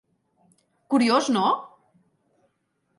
Curiós, no?